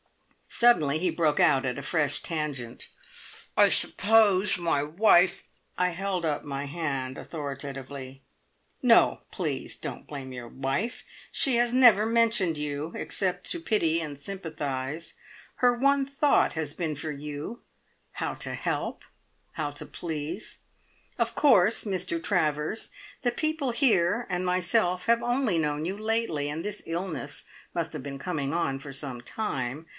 Suddenly he broke out at a fresh tangent. "I suppose my wife " I held up my hand authoritatively. "No, please! Don't blame your wife. She has never mentioned you, except to pity and sympathise. Her one thought has been for you how to help, how to please. Of course, Mr Travers, the people here and myself have only known you lately, and this illness must have been coming on for some time.